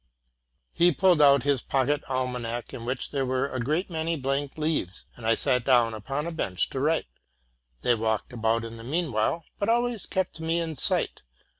'' He pulled out his pocket almanac, in which there were a great many blank leaves ; and I sat down upon a bench to write. They walked about in the mean while, but always kept me in sight.